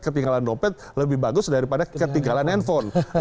ketinggalan dompet lebih bagus daripada ketinggalan handphone